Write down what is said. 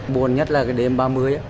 buồn nhất là cái đêm ba mươi á